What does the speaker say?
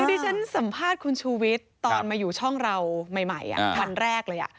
คือที่ฉันสัมภาษณ์คุณชูวิทย์ตอนมาอยู่ช่องเราใหม่วันแรกเลย